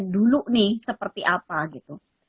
dulu nih seperti apa gitu